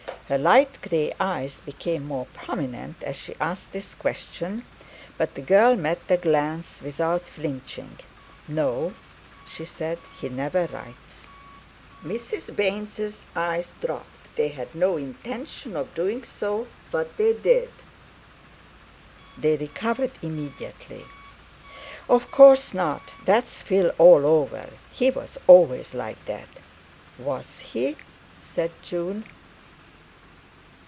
Her light grey eyes became more prominent as she asked this question; but the girl met the glance without flinching. "No," she said, "he never writes!" Mrs. Baynes's eyes dropped; they had no intention of doing so, but they did. They recovered immediately. "Of course not. That's Phil all over—he was always like that!" "Was he?" said June.